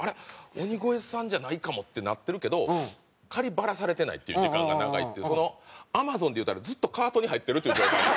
鬼越さんじゃないかもってなってるけどバラされてないっていう時間が長いっていうそのＡｍａｚｏｎでいうたらずっとカートに入ってるという状態や。